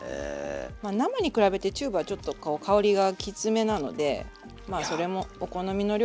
まあ生に比べてチューブはちょっと香りがきつめなのでまあそれもお好みの量。